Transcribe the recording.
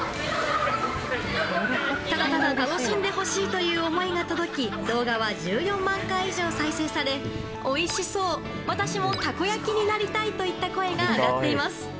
ただただ楽しんでほしいという思いが届き動画は１４万回以上再生されおいしそう、私もたこ焼きになりたいといった声が上がっています。